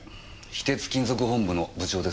非鉄金属本部の部長です。